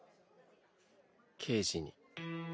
刑事に。